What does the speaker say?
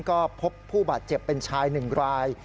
ก็พบผู้บาดเจ็บเป็นชาย๑ราย